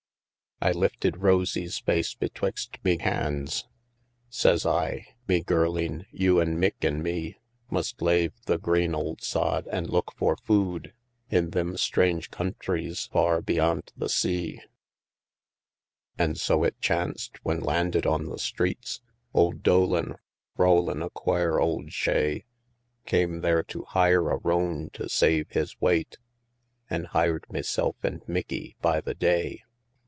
I lifted Rosie's face betwixt me hands; Says I, 'Me girleen, you an' Mick an' me, Must lave the green ould sod, an' look for food In thim strange countries far beyant the sea.' An' so it chanced, when landed on the streets, Ould Dolan, rowlin' a quare ould shay, Came there to hire a roan to save his whate, An' hired meself and Mickie by the day.